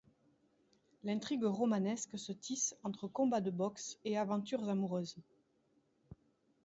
L'intrigue romanesque se tisse entre combats de boxe et aventures amoureuses.